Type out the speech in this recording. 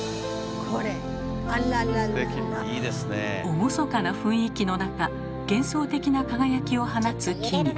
厳かな雰囲気の中幻想的な輝きを放つ木々。